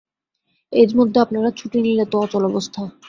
এর মধ্যে আপনারা ছুটি নিলে তো অচল অবস্থা।